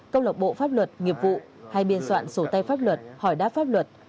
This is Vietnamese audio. câu lộc bộ pháp luật nghiệp vụ hay biên soạn sổ tay pháp luật hỏi đáp pháp luật